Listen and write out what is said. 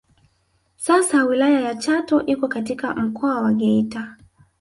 Sasa wilaya ya Chato iko katika Mkoa wa Geita